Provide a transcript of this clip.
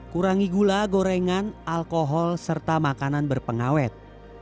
kurangi gula gorengan alkohol serta makanan berpengawet